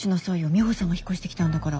ミホさんが引っ越してきたんだから。